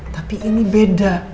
tapi ini beda